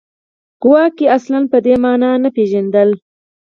ګواکې اصلاً په دې معنا نه پېژندله